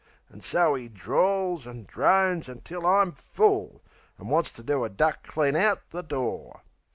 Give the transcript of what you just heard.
An' so 'e drawls an' drones until I'm full, An' wants to do a duck clean out the door.